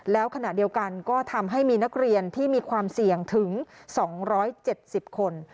แล้วขณะเดียวกันก็ทำให้มีนักเรียนที่มีความเสี่ยงถึง๒๗๐คน